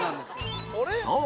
そう！